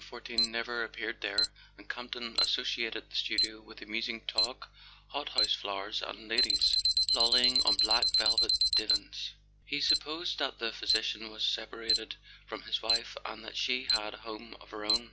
Fortin never appeared there, and Campton associated the studio with amusing talk, hot house flowers, and ladies lolling on black velvet divans. He supposed that the physician was separated from his wife, and that she had a home of her own.